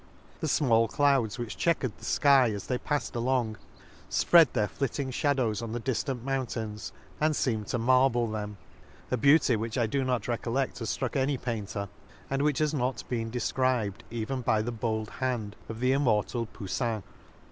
The fmall clouds which chequered the fky, as they palled along, fpread their flitting fhadows on the diftant mountains, and feemed to marble them ; a beauty which I do not recoiled has ftruck any painter, and which has not been de fcribed even by the bold hand of the im mortal 30 An Excursion to mortal Poufin.